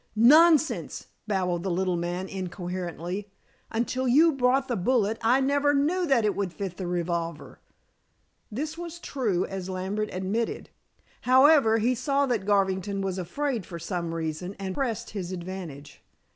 Nonsense!" babbled the little man incoherently. "Until you brought the bullet I never knew that it would fit the revolver." This was true, as Lambert admitted. However, he saw that Garvington was afraid for some reason, and pressed his advantage.